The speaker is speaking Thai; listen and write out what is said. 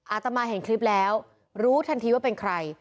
อาตมาเห็นคลิปแล้วรู้ทันทีว่าเป็นใคร